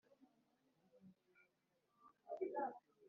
ni iki dushobora kuzabona bitewe n uko yesu yabereye se